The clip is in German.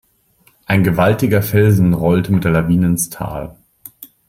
Ein gewaltiger Felsen rollte mit der Lawine ins Tal.